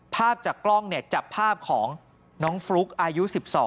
ภาพจากกล้องจับภาพของน้องฟลุ๊กอายุ๑๒